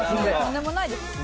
とんでもないです。